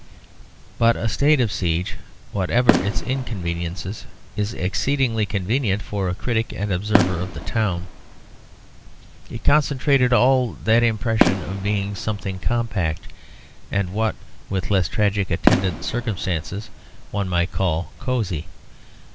But a state of siege, whatever its inconveniences, is exceedingly convenient for a critic and observer of the town. It concentrated all that impression of being something compact and what, with less tragic attendant circumstances, one might call cosy.